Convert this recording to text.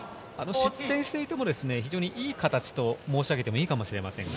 失点していていても、非常にいい形と申し上げてもいいかもしれません。